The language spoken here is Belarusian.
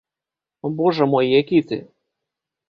Божа мой, які ты.